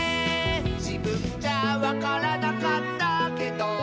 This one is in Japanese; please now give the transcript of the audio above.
「じぶんじゃわからなかったけど」